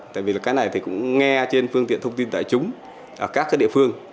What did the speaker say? tại vì cái này cũng nghe trên phương tiện thông tin tài trúng ở các địa phương